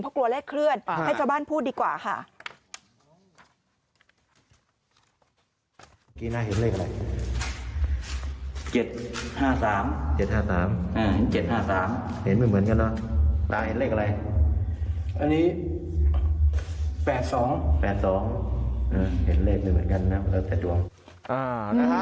เพราะกลัวเลขเคลื่อนให้ชาวบ้านพูดดีกว่าค่ะ